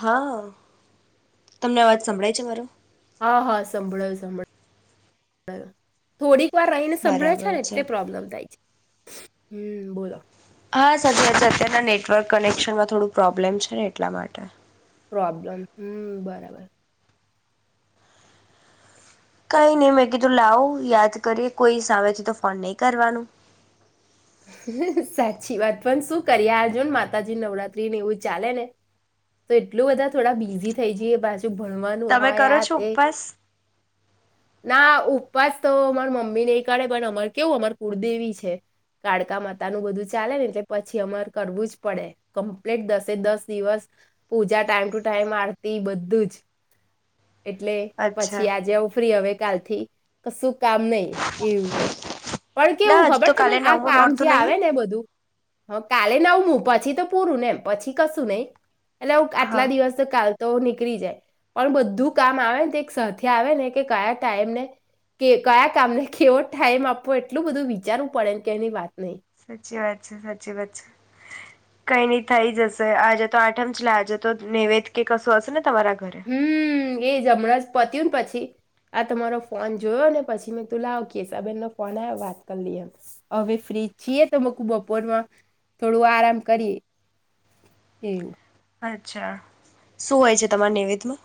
હા તમને અવાજ સંભળાય છે મારો. હા હા સાંભળો સાભળ થોડીક તું આ રહીને સંભળે છે ને એટલે પ્રોબ્લેમ થાય છે. હમ્મ બોલો. હા સર છે અત્યના નેટવર્ક કનેક્શનમાં થોડું પ્રોબ્લેમ છે ને એટલા માટે. પ્રોબ્લેમ હમ્મ બરાબર. કઈ નહી મે કીધું લાવો યાદ કરીએ કોઈ સામેથી તો ફોન નહી કરવાનું. સાચી વાત પણ શું કરી અર્જુ માતાજી નવરાત્રીને એવું ચાલે ને તો એટલું બધા થોડા બિઝી થઈ જઈએ પાછ ભણવાનું તમે હોય કરો આ છો તે ઉપવાસ ના પાસ તો અમાર મમ્મી નહીં કાઢે પણ બટ એવું અમારે કુળદેવી છે. કાળકા માતા નું બધું ચાલે ને એટલે પછી અમારે કરવું જ પડે કમ્પ્લીટ દસે દસ દિવસ પૂજા ટાઈમ ટુ ટાઈમ આવતી બધું જ. એટલે અચ્છા પછી આજે આવું ફ્રી હવે ગલથી કસુક કામ નહી એવું પણ ના કેવું હજુ ખબર તો કાલે તમને આ નવમું કામ જે નોરતું નહી આવે ને બધું હ. કાલે નવમું પછી તો પૂરું ને એમ પછી કશું નહીિ. એટલે હું હા આટલા દિવસ તો કાલ તો નીકળી જાય પણ બધું કામ આવે ને તો એક સાથેહ આવે ને કે કયા ટાઈમને કયા કામને કેવો ટાઈમ આપવો એટલું બધું વિચારવું પડેને. કેની વાત સાચી વાત છે સાચી વાત છે. કઈ નઈ થઈ જશે આજે તો આઠમ છેલે આજે તો નૈવેદ કે કશું હશે ને તમારા ઘરે હમ્મ એજ હમણાં જ. પત્યું ને પછી આ તમારો ફોન જોયો ને પછી મે તું લાવ કેસાબેન નો ફોન આવ વાત કરી લઈ એમ હવે ફ્રીજ છીએ તોક બપોરમાં થોડું આરામ કરીએ એવું. અચ્છા શું હોય છે તમારા નિવિદમાં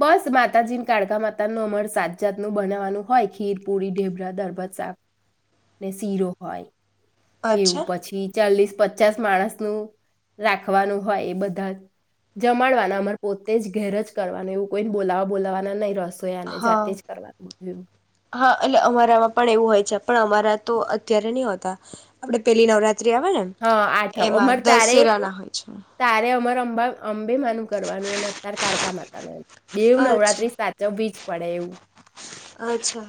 બસ માતાજીને કાળકા માતા ન અમર સાતજાતનુંું બનાવાનું હોય ખીર પૂરી ઢેબરા દરબજ શાક ને શીરો હોય. એવું અચ્છા પછી ચાલીસ પ પચાસ માણસ નું રાખવાનું હોય એ બધા જ જમાડવાના અમાર પોતે જ ઘેરજ કરવાનું એવું કોઈને બોલાવા બોલાવાના નહી. હા હા એટલે અમારામાં પણ એવું હોય છે. પણ અમારા તો અત્યારે નહી હોતા આપે પેલી નવરાત હ આઠમ અમાર તારે દશેરાના હોય છે તારે અમાર અંબા અંબેમાનું કરવાનું અને અત્યાર કાડકા માતાનું બેવ અચ્છા નવરાત્રી સાચવવીજ પડે એવું અચ્છા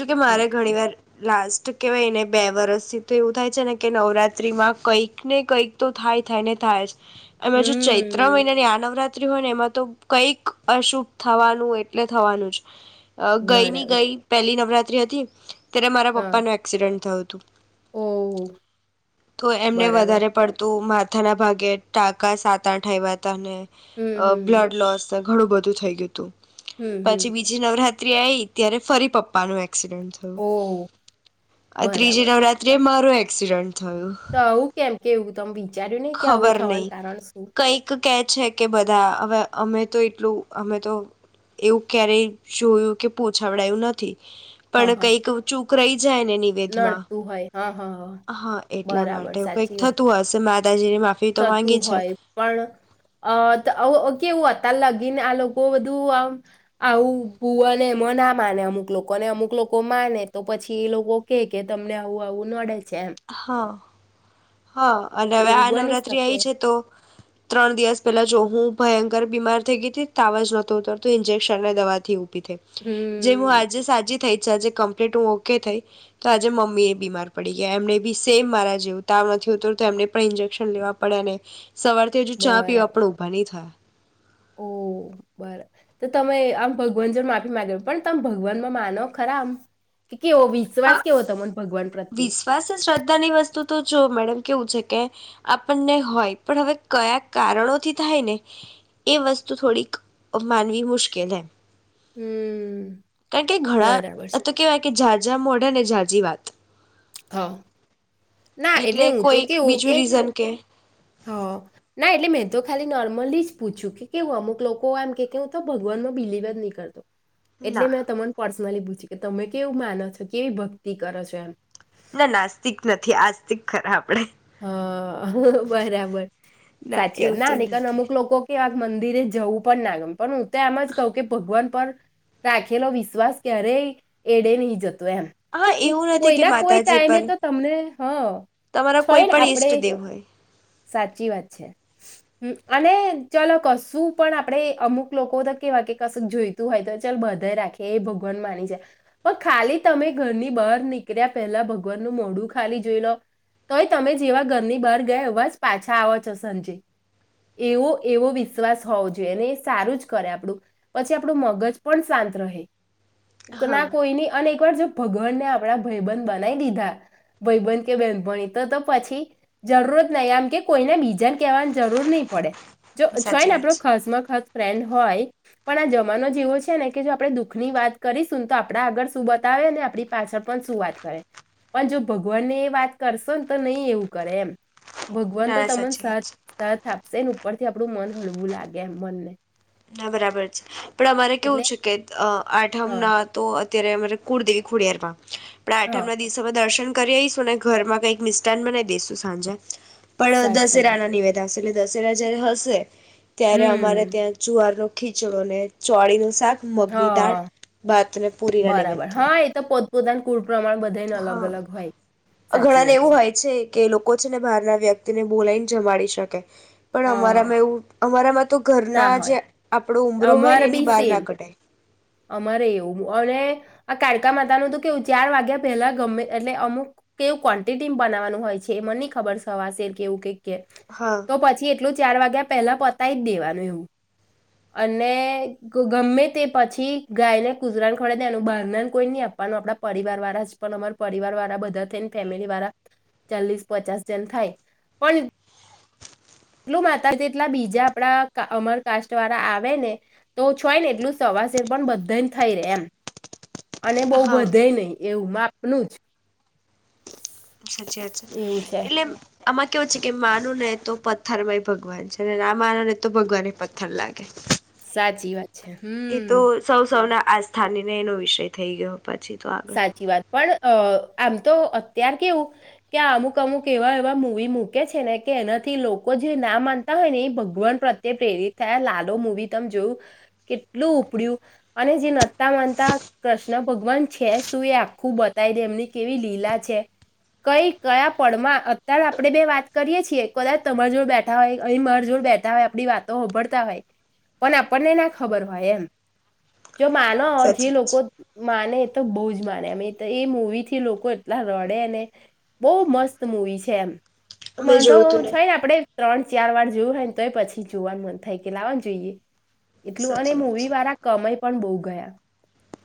જોકે મારે ઘણી વાર લાસ્ટ કહેવાયને બે વરષથી તો એવું થાય છે ને કે નવરાત્રીમાં કંઈક ને કંઈક તો થાય થાય ને થાય જ એમાં જો ચૈત્ર હમ મહિનાની આ નવરાત્રી ત હોય ને એમાં તો કઈક અશુભ થવાનું એટલે થવાનું જ આ ગઈ ની બરાબર ગઈ પહેલી નવરાત હતી [unintelligible] ત્યારે મારા હા પપ્પાનો એક્સિડન્ટ થયો તો ઓહ તો એમને બરાબર વધારે પડતું મા માથાના ભાગે ટાકા સાત આઠ આયવા તાને હમ અને હમ બ્લડ લોસ ઘણું બધું થઇ ગયું તું હમ હમ નવરાત્રી આઈ ત્યારે ફરી પપ્પાનું એ એક્સિડન્ટ થયું ઓહ આ ત્રીજી બરાબર નવરાત્રીએ મારો એક્સિડન્ટ થયો કેવ તમે ભી ખબર નહી કઈક કે છે કે બધા હવે અમે તો એટલું અમે તો એવું ક્યારેય જોયું કે પોછાવડાયું નથી હ હ પણ કઈક ઊંચું કરઈ જાય ને નિવેધમાં નડતું હોય હા હા હ હા એટલા બરાબર માટે કઈક સાચી વાત થતું હશે માતાજીની માફી તો થતું માંગી છે હોય પણ અ ત આ કેવું અતાર લગીને આ લોકો બધું આમ આવું ભુવાને એમ ના માને અમુક લોકોને અમુક લોકો માને તો પછી એ લોકો કે કે તમને આવું આવું નડે છે એમ હા હા અને અવે એવું આ બની નવરાત્રી શકે આઇ છે તો ત્રણ દિવસ પેલા જો હું ભયંકર બીમાર થઈ ગઈતી તાવ જ નહોતો ઉતરતો ઇન્જેક્શન ને દવાથી ઉ થઈ જે હું હમ આજે સાજી થઇ છ અજી કમ્પ્લીટ હું ઓકે થઈ તો આજે મમ્મી એ બીમાર પડી ગયા એમણે બી સેમ મારા જેવું તાવ નથી ઉતરતો એમને પણ ઇન્જેક્શન લેવા પડે અને સવારથી હજુ ચા બરાબર પીવા પણ ઊભા નહીં થયા. ઓ બરા તો તમે આમ ભગવાન જો માફી માગો પણ તમે ભગવાનમાં માનો ખરા આમ? કેવો વિશ્વાસ હા કેવો તમને ભગવાન પ્રત્યે વિશ્વાસ શ્રદ્ધાની વ તુ તો જો મેડમ કેવું છે કે આપણને હોય પણ હવે કયા કારણોથી થાય ને એ વસ્તુ થોડીક માનવી મુશ્કેલ એમ. હમ [inaudible] ઘણા બરાબર છે અથવા તો કેવાય કે જા ત્યાં મળે ને જાજી વાત હા ના એટલે હું તો કોઈ કેવું કે બીજું રીઝન કે? હા ના એટલે મેં તો ખાલી નોર્મલી જ પૂછ્યું કે કેવું અમુક લોકો એમ કે કેું તો ભગવાનમાં બિલીિવ જ ની કરતો. એટલે ના મેં તમને પર્સનલી પૂછ કે તમે કેવું માનો છો કેવી ભક્તિ કરો છો એમ? ના નાસ્તિક નથી આસ્તિક ખરાબ. હ બરાબર સાચી વાત એવું ના તો નહીતર નથી અમુક લોકો કેવા કે મંદિરે જવું પણ ના ગમ પણ હું તો એમ જ કહું કે ભગવાન પણ રાખેલો વિશ્વાસ ક્યારેય એડે નહી જતો. એમ હા કે એવું નથી કોઈ કે ના કોઈ માતાજી ટાઈમે પર તો તમને હ. તમારા કોઈ પણ ઈષ્ટદેવ હોય. સાચી વાત છે હ અને ચલો કશું પણ આપણેે અમુક લોકો તો કેવાય કે કશું જોઈતું હોય તો ચાલ બધા રાખીએ એ ભગવાન માની છે પણ ખાલી તમે ઘરની બહાર નીકળ્યા પેલા ભગવાનનું મોડું ખાલી જોઈ લો તોય તમે જેવા ઘરની બહાર ગયા એવા જ પાછા આવો છો સંજય એવો એવો વિશ્વાસ હોવો જોઈએ અને એ સારું જ કરે આપણું પછી આપણું મગજ પણ શાંત રહે. હા ના કોઈની અને જો ભગવાનને આપડા ભાઈબન બનાવી દીધા ભાઈબન કે બેહેનપણી તો તો પછી જરૂરત નહી આમ કે કોઈને બીજાને કહેવાની જરૂર નહીં પડે. જો જોય સાચી ને વાત આપડો છે ખાસ માં ખાસ ફ્રેન્ડ હોય પણ આ જમાનો જ એવો છે ને કે જો આપણે દુઃખ ની વાત કરીશું ને તો આપણા આગળ શું બતાવે આપણી પાછળ પણ શું વાત કરે પણ જો ભગવાનને એ વાત કરશો ને તો નહી એવું કરે એમ. ભગવાન ના તો તમને સાચી વાત સાથ છે સાથ આપશે ને? પરથી આપણું મન હળવું લાગે એમ મનને. હા બરાબર છે પણ અમારે કેવું એટલે છે કે અ આઠમ હા ના તો ત્યારે અમારે કુળદેવી ખોડિયાર માં. પણ આઠમ હા ના દિવસોમાં દર્શન કરી આવીશું ને ઘરમાં કંઈક મિસ્ટાન બનાઈ દેશું સાંજે. પણ સાચી વાત દશેરાના ની વધાસે [inaudible] દશેરા જયારે હશે ત્યારે અમારે હમ ત્યાં ર નો ખીચડો ને ચોળી નું શાક મગની દાળ હા ભતને પૂરીના નિમિત્ત થ પ્રદાન હા સાચી ઘણા ને વાત એવું હોય છે કે લોકો છે ને બહાર ના વ્યક્તિ ને બોલાયને જમાડી શકેાય પણ હા અમારામાં એવું અમારામાં તો ના ઘરના જે હોય આપ આપડો ઉઊમરો હોય ને અમારે એની બી બહાર સેમ ના કઢાય અમારે એવું અને આ કાડકા માતા ન તો કેવું ચાર વાગ્યા પહેલા ગમે એટલે અમુક કેવું ક્વોન્ટિટી બનાવવાનું હોય છે એ મને ન ખબર સવાશેર કેવું કઈ હા તો પછી એટલું ચાર વાગ્યા પેલા પોતાય જ દેવાનું એવું અને ગમે તે પછી થી ગાયને કુજરાણ ખડ દેનું બાર કોઈ નહી આપવાનું આપણા પરિવાર વાળા જ પણ અમા પરિવાર વાળા બધા થઈને ફેમિલી વાળા ચાલીસ પચાસ જન થાય પણ એટલું માતા જેટલા બીજા આપડા અમર કાસ્ટ વાળા આવે ને તો છય ને એટલું સવાસેર પણ બધા થઈ રહે એમ અને બહુ હા બધે નહીિ એવું માપ નનુંજ સાચી છે એવું છે એટલે આમાં કેવું છે કે માનું ને તો પથ્થર માંય ભગવાન છે અને ના માનો ને તો ભગવાન પથ્થર લાગે સાચી વાત છે હમ આ સ્થાનીને એનો વિષય થઈ ગયો પછી તો આગળ સાચી વાત પણ અ આમ તો અત્યાર કેવું કે અમુક અમુક એવા એવા મુૂવી મૂકે છે ને કે એનાથી લોકો જે ના માનતા હોય ને એ ભગવાન પ્રત્યે પ્રેરિત થયા લાલ મૂવી તમે જોયું કેટલું ઉપડ્યું અને જે નતા માનતા કૃષ્ણ ભગવાન છે શું એ આખું બતાવી દે એમની કેવી લીલા છે કઈ કયા પડમાં અત્યારે આપણે બે વાત કરીય છીએ કદાચ તમારી જોડ બેઠા હોય અહીં મારી જોડ બેઠા હોય આપણી વાતો હોભડતા હોય પણ આપણને ના ખબર હોય એમ જો માનો જે સાચી વાત લોકો માને તો બહુ જ માને એમ એ એ મુૂવી થી લોકો એટલા રડે ને બહુ મસ્ત મુવી છે એમ છે મેં ંધો જોયું તું છે ને આપડે ત્રણ ચાર વાર જોવું હોય ને તોય પછી જોવાનું મન થાય કે લાવવાનું જોઈએ એટલું અને સાચી વાત મૂવી છે વાળા કમય પણ બહુ ગયા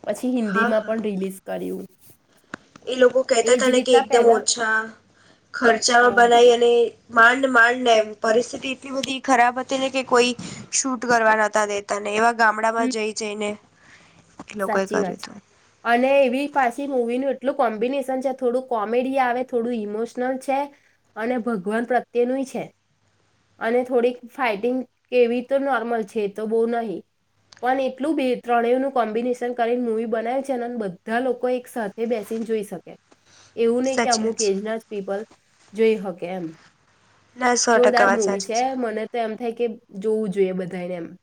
પછી હિન્દી હા માં હા પણ રિલીઝ કર્યું એ લોકો કહેતા એજ હતા ને કે રીતના એકદમ પહેલા ઓછા હ ખર્ચામાં બનાય અને માંડ માંડ ને એમ પરિસ્થિતિ એટલી બધી ખરાબ હતી ને કે કોઈ શૂટ કરવા નાતા દેતા ને એવા ગામડામાં હમ જઈ જઈને એ લોકોએ સાચી કર્યું વાત છે હતું અને એવી પાછી મવી ન એટલું કોમ્બિનેશન છે થોડું કોમેડી આવે થોડું ઈમોશનલ છે અને ભગવાન પ્રત્યેનું છે અને થોડીક ફાઈટિંગ કેવી તો નોર્મલ છે તો બહુ નહીિ પણ એટલું બે ત્રણે ન કોમ્બિનેશન કરીને મુવી બનાવે છે અને બધા લોકો એક સાથે બેસીને જોઈ શકે એવું નહિ કે સાચી અમુક વાત છે. એજના પીપલ જોઈ હોકે એમ ના [unintelligible] સો ટકા જોરદાર વાત મુવી સાચી છે મને તો એમ થાય કે જોવું જોઈએ બધાને એમ [inaudible]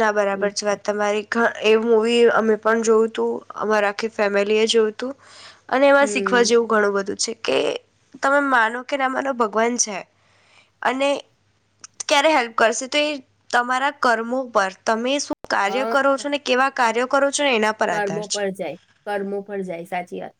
ના બરાબર જ વાત તમારી એ મૂવી અમે પણ જોયું તું અમારે આખી ફેમિલી એ જોયું હતું અને એમાં શીખવા હમ જેવું ઘણું બધું છે કે તમે માનો કેનેમારો ભગવાન છે અને ક્યારે હેલ્પ કરશે તો એ તમારા કર્મો પર તમે શું કાર્ય હા કરો છો ને કેવા કાર્ય કરો એના પર આધાર કર્મો છે પર જાય કર્મો પર જાય સાચી વાત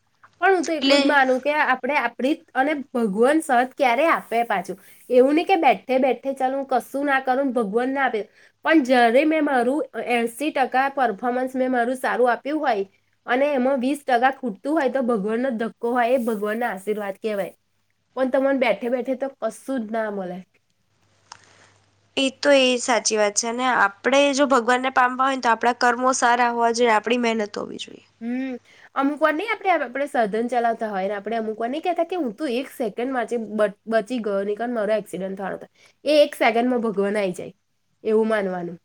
પણ હું તો એટલે એટલું જ માનું કે આપણે પ્રીત અને ભગવાન સત ક્યારેય આપે પાછું એવું નહીં કે બેઠે બેઠે ચાલું કશું ના કરું ભગવાન ના આપે પણ જ્યારે મેં મારું એસી ટકા પરફોર્મન્સ મેં મારું સારું આપ્યું હોય અને એમાં વીસ ટકા ખૂટતું હોય તો ભગવાન ન ધક્કો હોય એ ભગવાન ના આશીર્વાદ કહેવાય પણ તને બેઠે બેઠે તો કશું જ ના મળ એ તો એ સાચી વાત છે અને આપણેે જો ભગવાનને પામવા હોય ને તો આપણા કર્મો સારા હોવા જોઈએ આપણી મહેનત તોવી જોઈ [inaudible] હમ અમુક વાર નહ આપણે આપણે સધન ચલાવતા હોય ને આપણે અમુક વાર નહી કહેતા કે હું તોું એક સેકન્ડ માંચ બચી ગયો નહી કાર મારો એક્સિડન્ટ થો થાય એ એક સેકન્ડ માં ભગવાન આઈ જાય એવું માનવાનું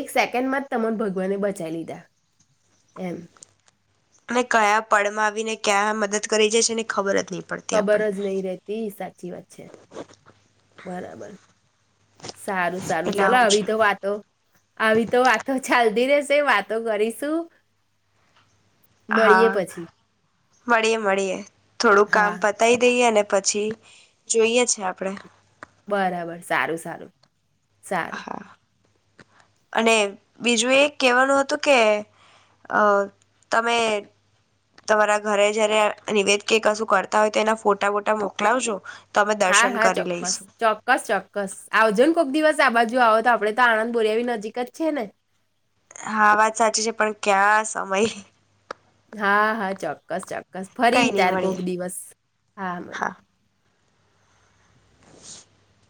એક સેકન્ડ માં જ તને ભગવાને બચાવી લીધા [unintelligible] એમ [inaudible] અને કયા પડમાં આવીને ક્યાં મદદ કરી જશે એને ખબર હતી ખબર જ નહીિ રેતી સાચી વાત છે બરાબર [unintelligible] સારું સારું એટલે ચાલ આવું છે આવી તો વાતો આવી તો વાતો ચાલતી રે વાતો કરીશું [inaudible] મળીએે હા પછી મળીએ મળીએ થોડું કામ હા પતાવી દઈએ અને પછી જોઈએ છે આપડે બરાબર સારું સારું ચાર હા અને બીજું એ કેહેવાનું હતું કે અ તમે તમારા ઘરે જયારે નિવેદ કે કશું કરતા હોય તો એના ફોટા બોટા મોકલાવજો તો અમે હા દર્શન હા કરી ચોક્કસ લઈશું ચોક્કસ ચોક્કસ આવજો ને કોક દિવસ આ બાજુ જો આવો તો આપડે તો આણંદ બોરિયાવી નજીક જ છે, ને હા વાત સાચી છે પણ ક્યાં સમય હા હા ચોક્કસ ચો સ કઈ ફરી નહી તાર કોક મળીએ દિવસ હા મ [inaudible]